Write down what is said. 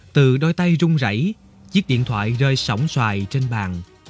từ đôi tay rung rảy chiếc điện thoại rơi sỏng xoài trên bàn